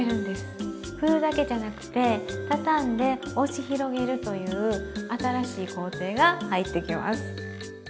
ふるだけじゃなくてたたんで押し広げるという新しい工程が入ってきます。